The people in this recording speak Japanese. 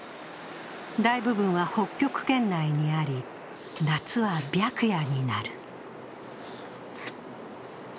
大部分は北極圏内にあり、夏は白夜になる。